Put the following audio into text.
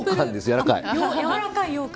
やわらかい。